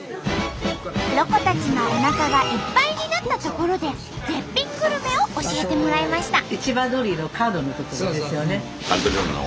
ロコたちのおなかがいっぱいになったところで絶品グルメを教えてもらいました。